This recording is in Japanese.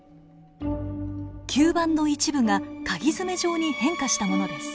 吸盤の一部がかぎ爪状に変化したものです。